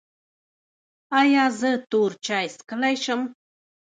ایا زه تور چای څښلی شم؟